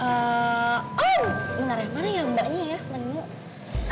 oh bener ya mana ya mbaknya ya menu